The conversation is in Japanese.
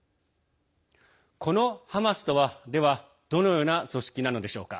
このハマスとはどのような組織なのでしょうか。